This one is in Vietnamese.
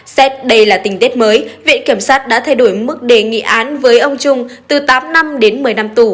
xét đây là tình tiết mới viện kiểm sát đã thay đổi mức đề nghị án với ông trung từ tám năm đến một mươi năm tù